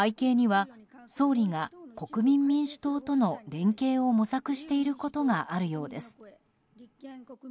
背景には、総理が国民民主党との連携を模索していることがあるようです。